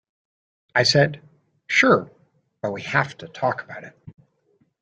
I said: Sure, but we have to talk about it.